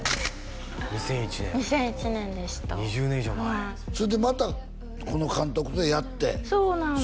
２００１年２０年以上前２００１年でしたそれでまたこの監督とやってそうなんです